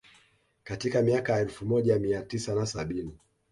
Katika miaka ya elfu moja mia tisa na sabini